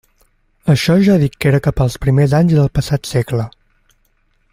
Això ja dic que era cap als primers anys del passat segle.